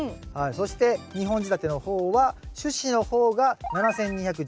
そして２本仕立ての方は主枝の方が７，２１０ｇ。